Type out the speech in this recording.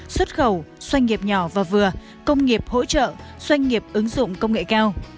xuất khẩu doanh nghiệp nhỏ và vừa công nghiệp hỗ trợ doanh nghiệp ứng dụng công nghệ cao